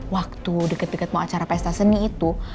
waktu deket deket mau acara pesta seni itu